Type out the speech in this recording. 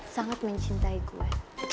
sangat mencintai gue